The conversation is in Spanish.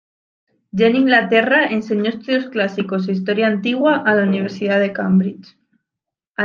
Ya en Inglaterra, enseñó estudios clásicos e Historia Antigua en la Universidad de Cambridge.